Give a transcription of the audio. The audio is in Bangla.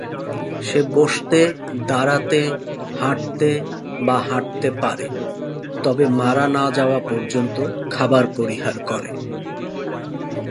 সে বসতে, দাঁড়াতে, হাঁটতে বা হাঁটতে পারে, তবে মারা না যাওয়া পর্যন্ত খাবার পরিহার করে।